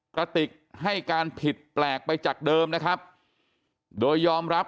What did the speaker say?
กระติกให้การผิดแปลกไปจากเดิมนะครับโดยยอมรับ